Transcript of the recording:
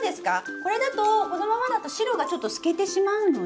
これだとこのままだと白がちょっと透けてしまうので。